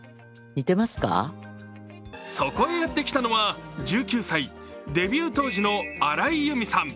そこへやって来たのは１９歳、デビュー当時の荒井由実さん。